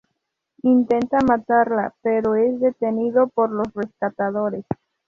Intenta matarla, pero es detenido por los rescatadores.